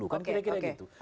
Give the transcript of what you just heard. kan kira kira gitu